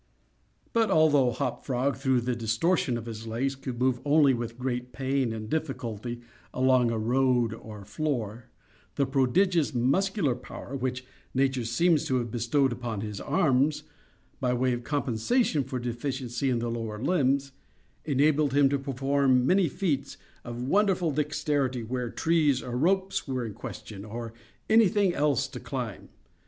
But although Hop Frog, through the distortion of his legs, could move only with great pain and difficulty along a road or floor, the prodigious muscular power which nature seemed to have bestowed upon his arms, by way of compensation for deficiency in the lower limbs, enabled him to perform many feats of wonderful dexterity, where trees or ropes were in question, or any thing else to climb.